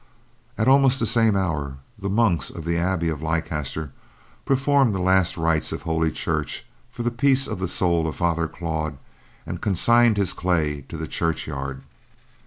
At almost the same hour, the monks of the Abbey of Leicester performed the last rites of Holy Church for the peace of the soul of Father Claude and consigned his clay to the churchyard.